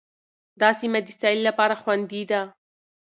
دا سیمه د سیل لپاره خوندي ده.